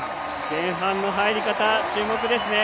前半の入り方注目ですね。